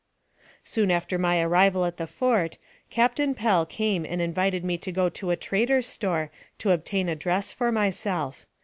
Soon after my arrival at the fort, Captain Pell came and invited me to go to a trader's store to obtain a dress for myself.